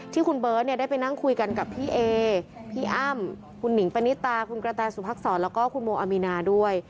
ที่คุณเบิร์ตเนี่ยได้ไปนั่งคุยกันกับพี่เอพี่อ้ำคุณหนิงปณิตาคุณกระแตสุพักษรแล้วก็คุณโมอามีนาด้วย